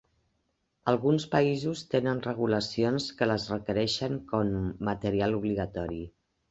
Alguns països tenen regulacions que les requereixen com material obligatori.